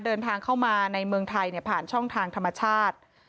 เดินทางเข้ามาในเมืองไทยผ่านช่องทางธรรมชาติ